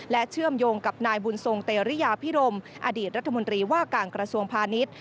เชื่อมโยงกับนายบุญทรงเตรียพิรมอดีตรัฐมนตรีว่าการกระทรวงพาณิชย์